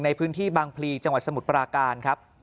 ในพื้นที่บางพลีจังหวัดสมุทรปราการครับ